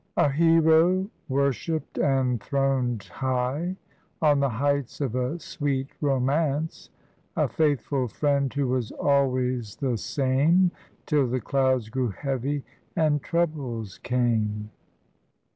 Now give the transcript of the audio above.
"A hero worshipped and throned high On the heights of a sweet romance, A faithful friend who was 'always the same' Till the clouds grew heavy and troubles came.